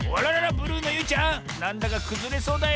ブルーのゆいちゃんなんだかくずれそうだよ。